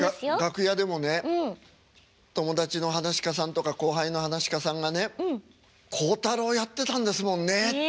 楽屋でもね友達の噺家さんとか後輩の噺家さんがね「孝太郎やってたんですもんね」って言われると。